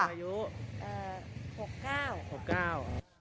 อายุอ่า๖๙๖๙